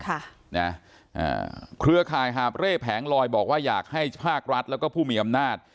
ค่ะนะอ่าเครือข่ายหาบเร่แผงลอยบอกว่าอยากให้ภาครัฐแล้วก็ผู้มีอำนาจ